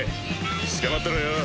つかまってろよ。